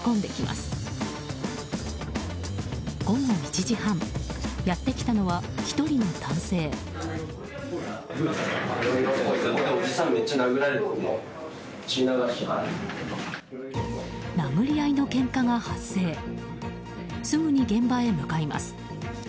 すぐに現場へ向かいます。